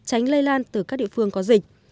tránh lây lan từ các địa phương có dịch